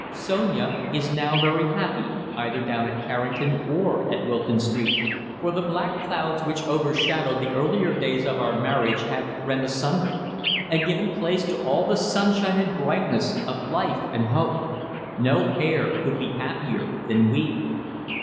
Sonia is now very happy, either down at Carrington or at Wilton Street, for the black clouds which overshadowed the earlier days of our marriage have rent asunder, and given place to all the sunshine and brightness of life and hope. No pair could be happier than we.